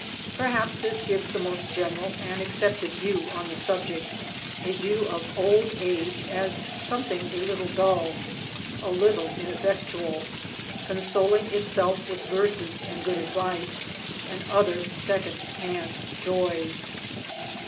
Perhaps this gives the most general and accepted view on the subject a view of old age as some thing a little dull 1 , a little ineffectual, consoling itself with verses and good advice and other second hand joys.